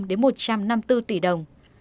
đến một trăm năm mươi bốn tỷ đồng